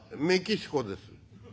「メキシコです」。